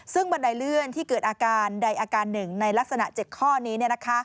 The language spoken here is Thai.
ซึ่งบันไดเลื่อนที่เกิดอาการใดอาการหนึ่งในลักษณะ๗ข้อนี้